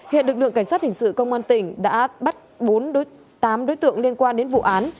hiện lực lượng cảnh sát hình sự công an tỉnh đã bắt tám đối tượng liên quan đến vụ án